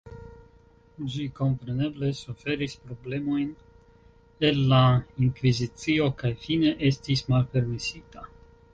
Ĝi kompreneble suferis problemojn el la Inkvizicio kaj fine estis malpermesita.